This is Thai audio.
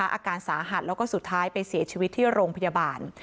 อาการสาหัสแล้วก็สุดท้ายไปเสียชีวิตที่โรงพยาบาล